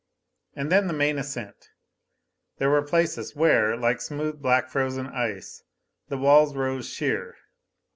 And then the main ascent. There were places where, like smooth black frozen ice, the walls rose sheer.